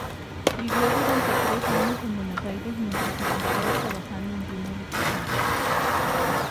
Vivió durante tres años en Buenos Aires mientras se encontraba trabajando en Junior Express.